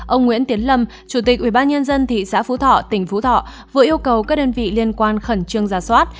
ông nguyễn tiến lâm chủ tịch ubnd thị xã phú thọ tỉnh phú thọ vừa yêu cầu các đơn vị liên quan khẩn trương ra soát